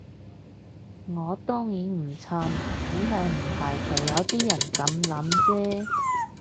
我當然唔撐，只係唔排除有啲人噉諗啫